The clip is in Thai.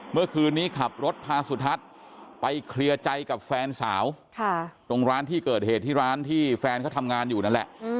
เมื่อคืนนี้ขับรถพาสุทัศน์ไปเคลียร์ใจกับแฟนสาวตรงร้านที่เกิดเหตุที่ร้านที่แฟนเขาทำงานอยู่นั่นแหละ